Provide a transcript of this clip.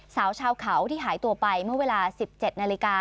สาวชาวเขาที่หายตัวไปเมื่อเวลา๑๗นาฬิกา